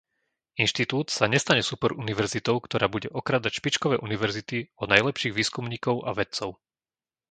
Inštitút sa nestane superuniverzitou, ktorá bude okrádať špičkové univerzity o najlepších výskumníkov a vedcov.